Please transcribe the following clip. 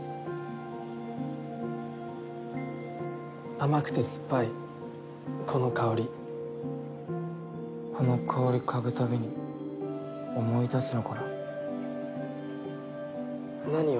甘くて酸っぱいこの香りこの香り嗅ぐ度に思い出すのかな何を？